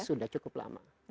sudah cukup lama